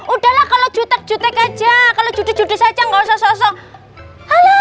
udahlah kalau jutek jutek aja kalau judul judul aja nggak usah sok sok